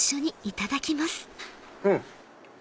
うん！